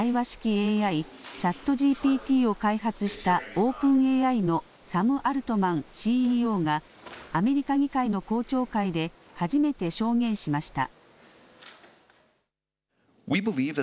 ＡＩ、ＣｈａｔＧＰＴを開発したオープンＡＩのサム・アルトマンＣＥＯがアメリカ議会の公聴会で初めて証言しました。